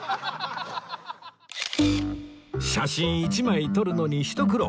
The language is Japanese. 写真一枚撮るのにひと苦労！